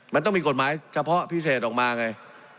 มันต้องมีกฎหมายเฉพาะพิเศษออกมาไง